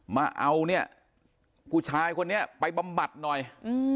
มาเอาเนี่ยผู้ชายคนนี้ไปบำบัดหน่อย